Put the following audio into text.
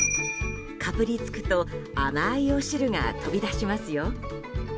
かぶりつくと甘いお汁が飛び出しますよ。